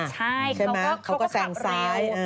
ใช่เขาก็ขับเรียวใช่ไหมเขาก็แสงซ้าย